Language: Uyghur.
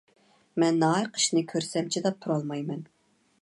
مەن ناھەق ئىشنى كۆرسەم چىداپ تۇرالمايمەن.